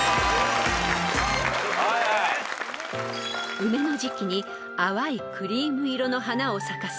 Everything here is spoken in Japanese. ［梅の時季に淡いクリーム色の花を咲かす］